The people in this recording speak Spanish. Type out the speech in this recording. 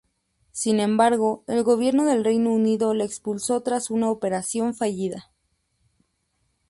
Sin embargo, el gobierno del Reino Unido le expulsó tras una operación fallida.